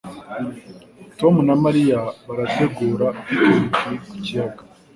Tom na Mariya barategura picnic ku kiyaga.